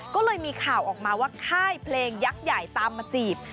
ก็เลยมีข่าวออกมาว่าค่ายเพลงยักษ์ใหญ่ตามมาจีบ